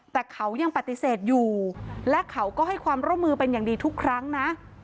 แต่เขายังปฏิเสธอยู่และเขาก็ให้ความร่วมมือเป็นอย่างดีทุกครั้งนะ